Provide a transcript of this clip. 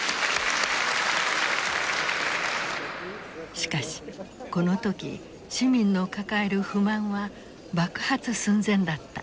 しかしこの時市民の抱える不満は爆発寸前だった。